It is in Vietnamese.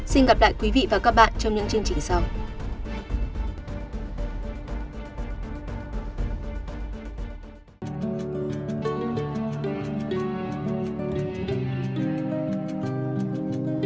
xin gặp lại quý vị và các bạn trong những chương trình sau